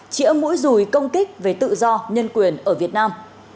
chĩa mũi rùi công kích về tự do nhân quyền ở việt nam